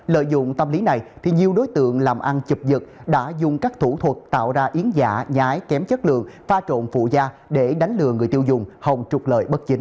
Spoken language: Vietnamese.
lợi dụng tâm lý này thì nhiều đối tượng làm ăn chập đã dùng các thủ thuật tạo ra yến giả nhái kém chất lượng pha trộn phụ da để đánh lừa người tiêu dùng hồng trục lợi bất chính